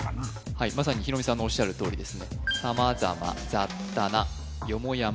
はいまさにヒロミさんのおっしゃるとおりですね